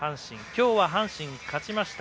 今日は阪神、勝ちました。